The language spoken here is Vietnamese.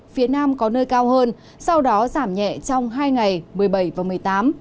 phía nam có nơi cao hơn sau đó giảm nhẹ trong hai ngày một mươi bảy và một mươi tám